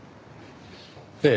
ええ。